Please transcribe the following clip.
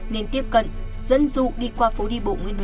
nên tiếp cận dẫn dụ đi khai